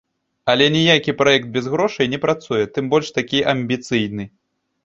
Але ніякі праект без грошай не працуе, тым больш такі амбіцыйны.